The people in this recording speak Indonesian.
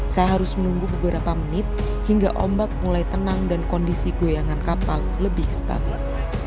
saya harus menunggu beberapa menit hingga ombak mulai tenang dan kondisi goyangan kapal lebih stabil